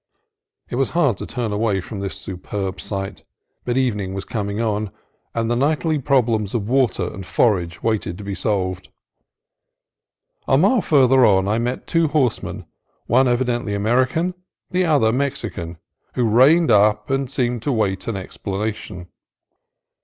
It was hard to turn away from this superb sight, but evening was coming on, and the nightly prob lems of water and forage waited to be solved. A mile farther on I met two horsemen, one evidently American, the other Mexican, who reined up and seemed to await an explanation.